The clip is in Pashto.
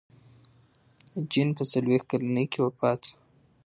جین په څلوېښت کلنۍ کې وفات شوه.